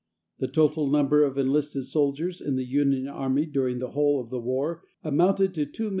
The total number of enlisted soldiers in the Union Army during the whole of the war amounted to 2,688,523.